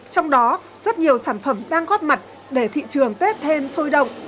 trong đó rất nhiều sản phẩm đang góp mặt để thị trường tết thêm sôi động